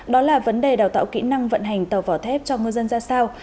đó là vấn đề đào tạo kỹ năng vận hành tàu vỏ thép cho ngư dân ra sao